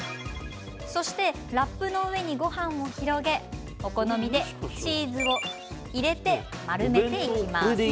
そしてラップの上にごはんを広げお好みでチーズを入れて丸めていきます。